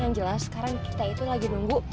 yang jelas sekarang kita itu lagi nunggu